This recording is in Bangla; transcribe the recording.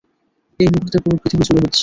এই মুহূর্তে পুরো পৃথিবী জুড়ে হচ্ছে।